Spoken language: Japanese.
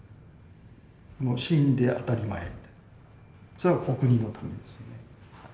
もう死んで当たり前それはお国のためですよね。